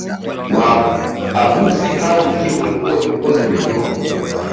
Waaguzi hao ndio waliokuwa viongozi wa kiroho